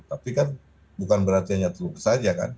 tapi kan bukan berarti hanya truk saja kan